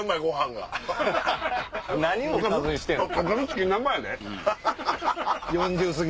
何をおかずにしてるんですか！